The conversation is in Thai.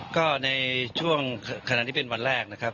ก็ในช่วงขณะที่เป็นวันแรกนะครับ